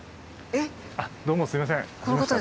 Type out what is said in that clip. どうもすいません。